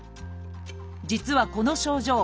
実はこの症状